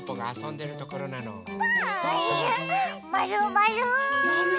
まるまる。